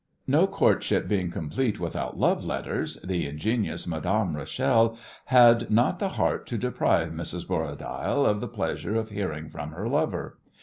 No courtship being complete without love letters, the ingenious Madame Rachel had not the heart to deprive Mrs. Borradaile of the pleasure of hearing from her lover.